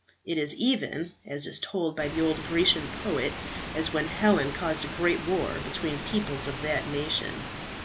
It is even, as is told by the old Grecian poet, as when Helen caused a great war between peoples of that nation."